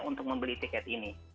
untuk membeli tiket ini